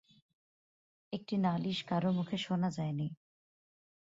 একটি নালিশ কারো মুখে শোনা যায় নি।